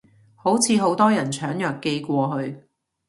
好似好多人搶藥寄過去